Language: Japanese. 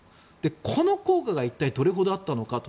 この効果が一体どれほどあったのかと。